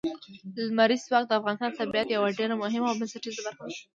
لمریز ځواک د افغانستان د طبیعت یوه ډېره مهمه او بنسټیزه برخه ده.